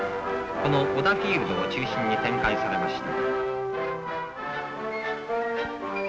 この織田フィールドを中心に展開されました」。